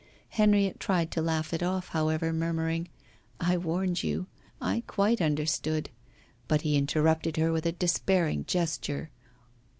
Henrietta tried to laugh it off, however, murmuring: 'I warned you, I quite understood ' But he interrupted her with a despairing gesture.